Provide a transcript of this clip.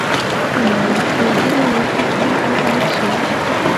ومې ویل، که یې ډېره وړوکې کړي او هلک شي.